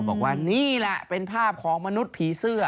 บอกว่านี่แหละเป็นภาพของมนุษย์ผีเสื้อ